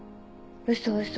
嘘嘘。